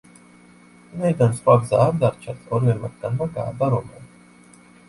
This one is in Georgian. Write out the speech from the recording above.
ვინაიდან სხვა გზა არ დარჩათ, ორივე მათგანმა გააბა რომანი.